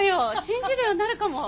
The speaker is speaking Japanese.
信じるようになるかも！